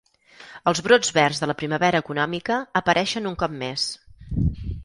Els brots verds de la primavera econòmica apareixen un cop més.